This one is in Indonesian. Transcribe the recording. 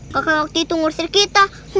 kakak waktu itu ngurusin kita